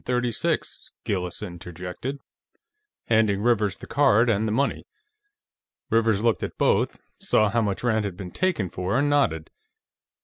36," Gillis interjected, handing Rivers the card and the money. Rivers looked at both, saw how much Rand had been taken for, and nodded.